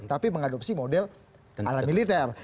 tapi mengadopsi model ala militer